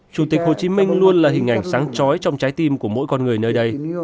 chủ tịch hồ chí minh luôn là hình ảnh sáng trói trong trái tim của mỗi con người nơi đây